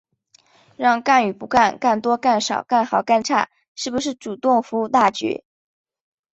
让干与不干、干多干少、干好干差、是不是主动服务大局、